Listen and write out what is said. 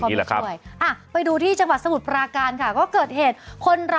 นี่มันตั้งใจเลยเนี้ยมันเอาไว้แอร์เขาเรียกอะไรนะ